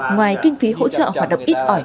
ngoài kinh phí hỗ trợ hoạt động ít ỏi